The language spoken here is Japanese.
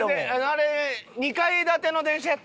あれ２階建ての電車やった？